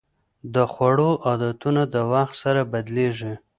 د خوړو عادتونه د وخت سره بدلېږي.